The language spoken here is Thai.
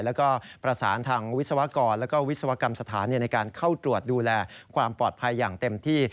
แล้วก็ประสานทางวิศวกรและวิศวกรรมสถานในการเข้าตรวจดูแลความปลอดภัยอย่างเต็มที่